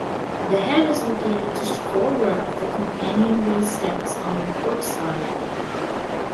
The head is located just forward of the companionway steps on the port side.